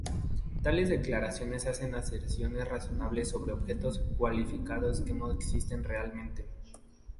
Tales declaraciones hacen aserciones razonables sobre objetos cualificados que no existen realmente.